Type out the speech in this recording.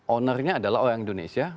ownernya adalah orang indonesia